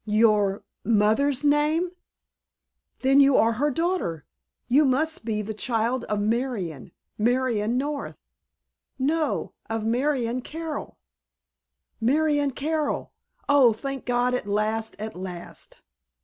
"Your—mother's name? Then you are her daughter—you must be the child of Marion—Marion North!" "No, of Marion Carroll." "Marion Carroll! Oh, thank God, at last, at last!"